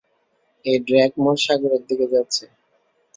এটা ড্রেগমোর সাগরের দিকে যাচ্ছে।